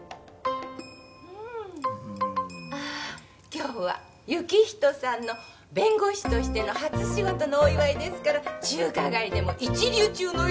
今日は行人さんの弁護士としての初仕事のお祝いですから中華街でも一流中の一流店で買いました。